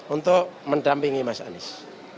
untuk mendampingi mas anies